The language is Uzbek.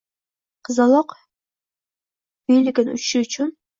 qizaloq veligin uchishi uchun